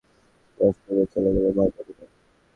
সেটা নিয়ে লকার বন্ধ করে সোজা ওয়াশরুমে চলে গেলেন ভারতের অধিনায়ক।